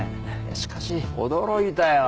しかし驚いたよ。